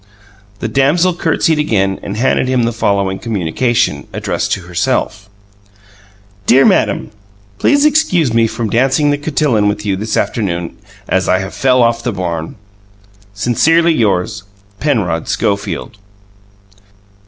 The damsel curtsied again and handed him the following communication, addressed to herself: "Dear madam Please excuse me from dancing the cotilon with you this afternoon as I have fell off the barn "Sincerly yours "PENROD SCHOFIELD."